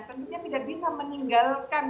tentunya tidak bisa meninggalkan